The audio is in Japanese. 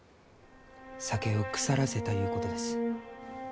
酒を腐らせたゆうことです。